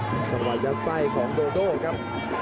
โอ้จังหวัดยัดใส่ของโดโดครับ